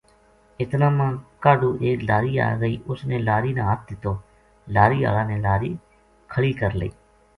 اتنا ما کاہڈُو ایک لاری آ گئی اس نے لاری نا ہتھ دِتو لاری ہالا نے لاری کھلی کر لئی